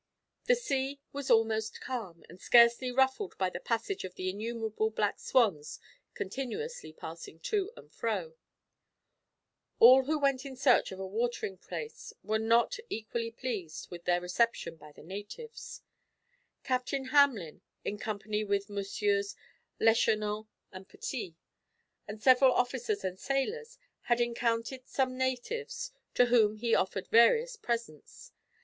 The sea was almost calm, and scarcely ruffled by the passage of the innumerable black swans continuously passing to or fro." [Illustration: The Swan River. (Fac simile of early engraving.)] All who went in search of a watering place were not equally pleased with their reception by the natives. Captain Hamelin, in company with MM. Leschenant and Petit, and several officers and sailors, had encountered some natives, to whom he offered various presents.